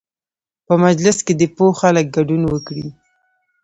په مجلس کې دې پوه خلک ګډون وکړي.